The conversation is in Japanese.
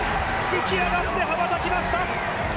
浮き上がって羽ばたきました！